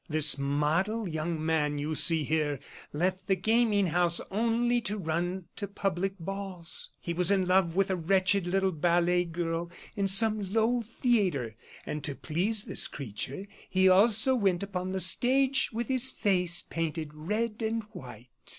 This model young man you see here left the gaming house only to run to public balls. He was in love with a wretched little ballet girl in some low theatre; and to please this creature, he also went upon the stage, with his face painted red and white."